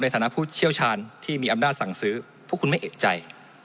ฐานะผู้เชี่ยวชาญที่มีอำนาจสั่งซื้อพวกคุณไม่เอกใจ